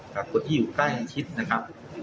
กับคนที่อยู่ใกล้ชิดนะครับ